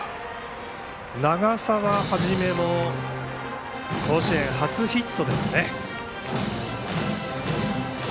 長澤元も甲子園初ヒットですね。